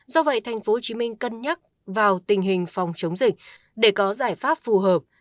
do vậy tp hcm cân nhắc vào tình hình phòng chống dịch để có giải pháp phù hợp